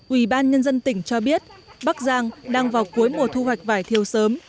ubnd tỉnh cho biết bắc giang đang vào cuối mùa thu hoạch vải thiều sớm